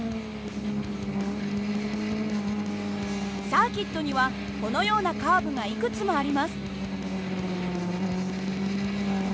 サーキットにはこのようなカーブがいくつもあります。